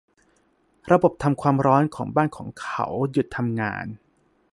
ระบบทำความร้อนของบ้านของเขาหยุดทำงาน